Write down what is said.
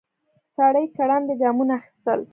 سړی ګړندي ګامونه اخيستل.